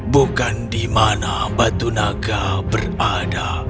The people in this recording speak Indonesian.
bukan di mana batu naga berada